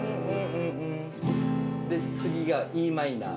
次がＥマイナー。